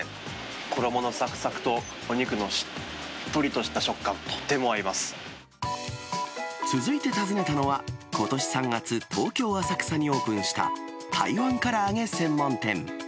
衣のさくさくと、お肉のしっとり続いて訪ねたのは、ことし３月、東京・浅草にオープンした、台湾から揚げ専門店。